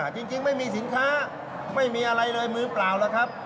จริงไม่มีสินค้าไม่มีอะไรเลยมือเปล่าแล้วครับ